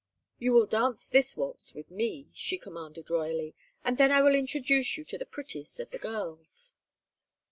"You will dance this waltz with me," she commanded, royally; "and then I will introduce you to the prettiest of the girls."